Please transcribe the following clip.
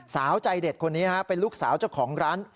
สาวใจเด็ดคนนี้เป็นลูกสาวเจ้าของร้าน